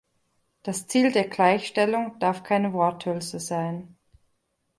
Das Ziel der Gleichstellung darf keine Worthülse sein.